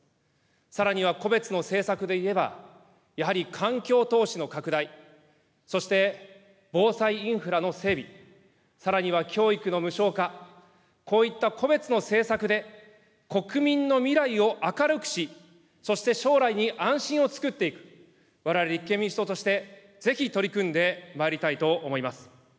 さらには個別の政策でいえば、やはり環境投資の拡大、そして防災インフラの整備、さらには教育の無償化、こういった個別の政策で国民の未来を明るくし、そして将来に安心を作っていく、われわれ立憲民主党として、ぜひ取り組んでまいりたいと思います。